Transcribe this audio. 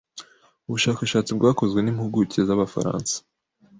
Ubushakashatsi bwakozwe n’impuguke z’abafaransa